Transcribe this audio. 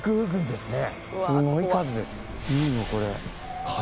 すごい数です。